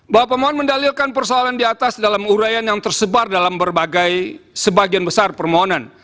bahwa permohonan mendalilkan persoalan diatas dalam uraian yang tersebar dalam berbagai sebagian besar permohonan